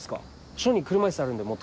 署に車椅子あるんで持って。